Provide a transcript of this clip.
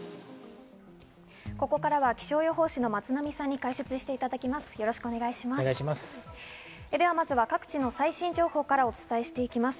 ここからは気象予報士の松並さんに解説していただきます。